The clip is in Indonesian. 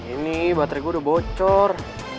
ini baterai gue udah bocor